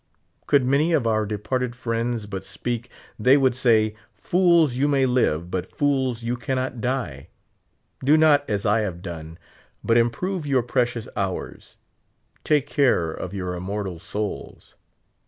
Could many of our departed friends but sjjeak, they would s&y, fools you may live, but fools you cannot die. Do not as I have done, but improve your precious hours ; take care of your immortal souls.